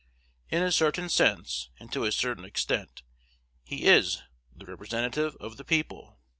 In a certain sense, and to a certain extent, he is the representative of the people.